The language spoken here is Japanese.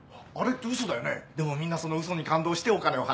でもみんなその嘘に感動してお金を払う。